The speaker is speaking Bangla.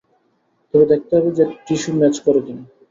তবে দেখতে হবে যে টিস্যু ম্যাচ করে কি না।